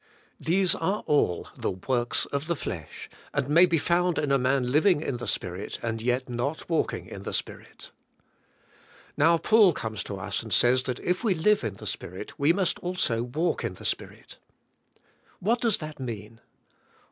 These are all the works of the flesh, and may be found in a man living" in the Spirit and yet not walking" in the Spirit. Now Paul comes to us and says that if we live in the Spirit we must also walk in the Spirit. What does that mean?